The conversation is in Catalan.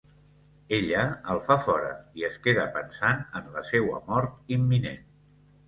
Ella el fa fora, i es queda pensant en la seua mort imminent.